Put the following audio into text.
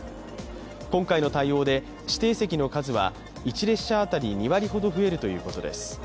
今回の対応で指定席の数は１列車当たり２割ほど増えるということです。